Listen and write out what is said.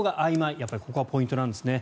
やっぱりここがポイントなんですね。